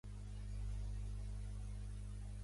Yuriy Hudymenko va ser el màxim golejador de la lliga.